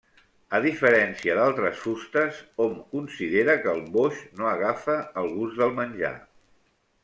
A diferència d'altres fustes, hom considera que el boix no agafa el gust del menjar.